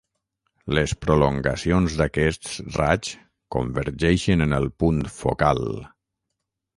Les prolongacions d’aquests raigs convergeixen en el punt focal.